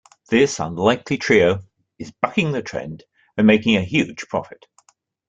This unlikely trio is bucking the trend and making a huge profit.